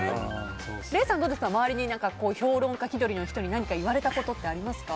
礼さん周りの評論家気取りの人に何か言われたことってありますか？